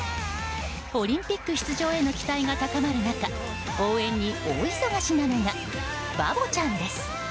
オリンピック出場への期待が高まる中応援に大忙しなのがバボちゃんです。